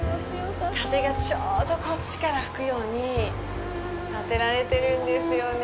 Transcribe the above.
風がちょうどこっちから吹くように建てられてるんですよね。